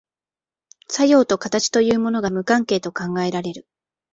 作用と形というものが無関係と考えられる。